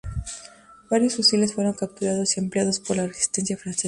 Varios fusiles fueron capturados y empleados por la Resistencia francesa.